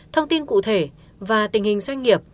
thông tin cụ thể và tình hình doanh nghiệp